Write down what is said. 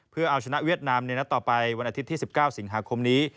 เพื่อเอาชนะเวียดนามในนัดต่อไปวันอาทิตย์ที่๑๙สิงหาคมนี้